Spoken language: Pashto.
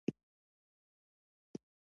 اوږدمهاله فشار رواني او فزیکي روغتیا ته زیان رسوي.